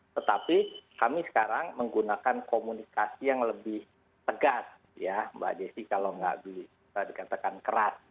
tetapi kami sekarang menggunakan komunikasi yang lebih tegas ya mbak desi kalau nggak dikatakan keras